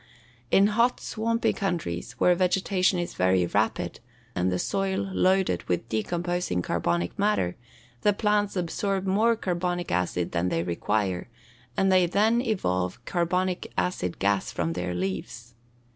In hot, swampy countries, where vegetation is very rapid, and the soil loaded with decomposing carbonic matter, the plants absorb more carbonic acid than they require, and they then evolve carbonic acid gas from their leaves.